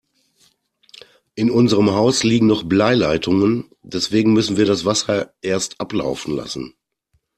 In unserem Haus liegen noch Bleileitungen, deswegen müssen wir das Wasser erst ablaufen lassen.